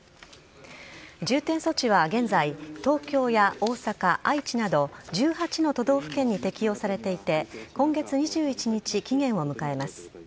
重点措置は現在東京や大阪、愛知など１８の都道府県に適用されていて今月２１日、期限を迎えます。